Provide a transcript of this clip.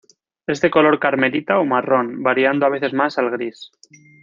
Es de color carmelita o marrón, variando a veces más al gris.